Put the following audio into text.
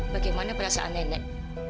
bagaimana perasaan nenek